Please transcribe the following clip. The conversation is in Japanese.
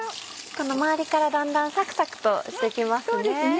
この周りからだんだんサクサクとしてきますね。